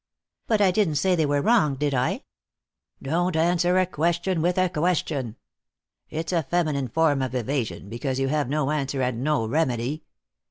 "But I didn't say they were wrong, did I?" "Don't answer a question with a question. It's a feminine form of evasion, because you have no answer and no remedy.